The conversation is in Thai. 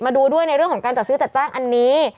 มาดูด้วยในเรื่องของการจัดซื้อจัดจ้างอันนี้